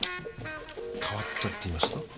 「変わった」っていいますと？